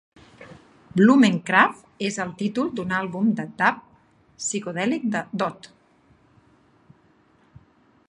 "Blumenkraft" és el títol d'un àlbum de dub psicodèlic d'Ott.